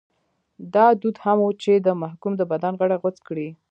دا دود هم و چې د محکوم د بدن غړي غوڅ کړي.